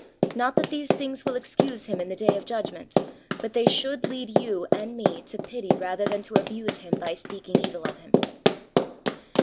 Not that these things will excuse him in the Day of Judgment, but they should lead you and me to pity rather than to abuse him by speaking evil of him.